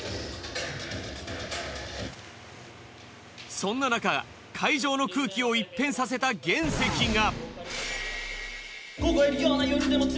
そんななか会場の空気を一変させた原石が。